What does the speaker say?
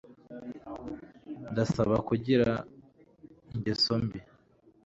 ndasaba, kugira ingeso mbi